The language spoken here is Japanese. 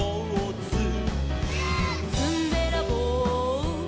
「ずんべらぼう」「」